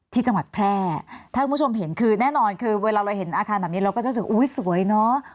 ที่จังหวัดแพร่ถ้าคุณผู้ชมเห็นคือแน่นอนคือเวลาเราเห็นอาคารแบบนี้เราก็จะรู้สึกอุ้ยสวยเนอะ